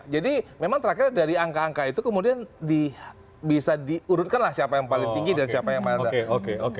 jadi memang terakhir dari angka angka itu kemudian bisa diurutkan lah siapa yang paling tinggi dan siapa yang paling rendah